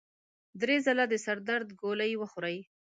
درې ځله د سر د درد ګولۍ وخوړې.